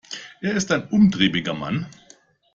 Er ist ein umtriebiger Mann.